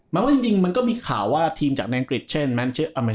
แม้ว่าจริงมันก็มีข่าวว่าทีมจากแนนกริดเช่น